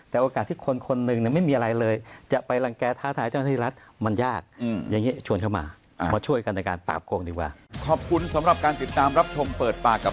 แต่โอกาสที่คนหนึ่งเนี่ยไม่มีอะไรเลยจะไปหลังแก่ท้าทายเจ้าหน้าที่รัฐมันยาก